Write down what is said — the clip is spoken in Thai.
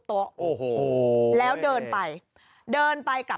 สวัสดีครับ